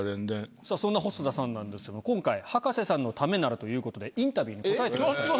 そんな細田さんなんですが今回葉加瀬さんのためならということでインタビューに答えてくださった。